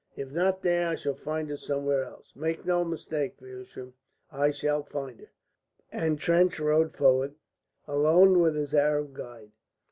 "If not there, I shall find her somewhere else. Make no mistake, Feversham, I shall find her." And Trench rode forward, alone with his Arab guide.